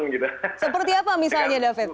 seperti apa misalnya david